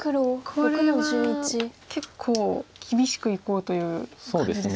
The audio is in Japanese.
これは結構厳しくいこうという感じですか？